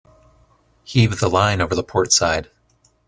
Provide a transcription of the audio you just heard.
Heave the line over the port side.